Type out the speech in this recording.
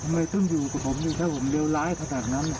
ทำไมต้องอยู่กับผมอยู่แค่ผมเลวร้ายขนาดนั้น